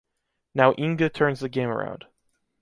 Now Inge turns the game around.